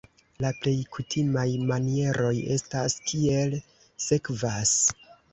La plej kutimaj manieroj estas kiel sekvas.